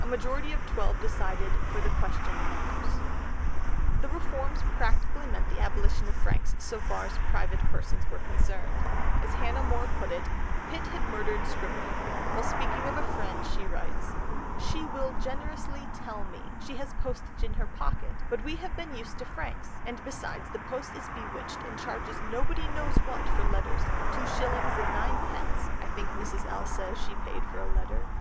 A majority of twelve decided for the Question in the House. The reforms practically meant the abolition of franks so far as private persons were concerned, as Hannah More put it, Pitt had murdered scribbling; while speaking of a friend she writes: "She will generously tell me she has postage in her pocket, but we have been used to franks, and besides the post is bewitched and charges nobody knows what for letters; two shillings and ninepence, I think Mrs. L. says she paid for a letter."